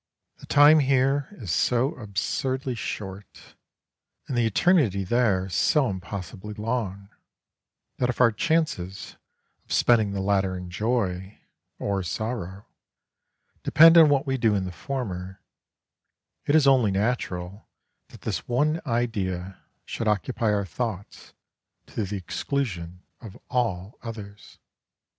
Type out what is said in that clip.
The time here is so absurdly short, and the eternity there is so impossibly long, that, if our chances of spending the latter in joy, or sorrow, depend on what we do in the former, it is only natural that this one idea should occupy our thoughts to the exclusion of all others.